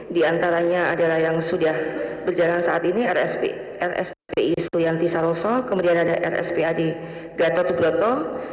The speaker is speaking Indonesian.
di antaranya adalah yang sudah berjalan saat ini rspi sulianti saroso kemudian ada rspad gatot subroto